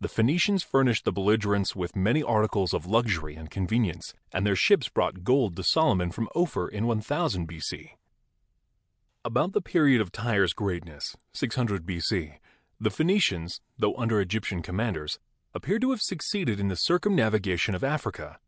the Phenicians furnished the belligerents with many articles of luxury and convenience, and their ships brought gold to Solomon from Ophir in IOOO B.C. About the period of Tyre's greatness (600 b.c.) the Phenicians, tho under Egyptian commanders, appear to have succeeded in the circumnavigation of Africa.